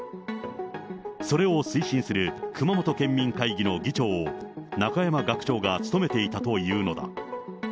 それを推進する熊本県民会議の議長を、中山学長が務めていたというのだ。